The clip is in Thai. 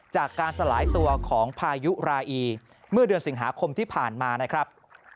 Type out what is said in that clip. จากการสลายตัวของพายุราอีเมื่อเดือนสิงหาคมที่ผ่านมานะครับ